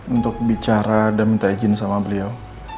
untuk bicara dan minta izin sama beliau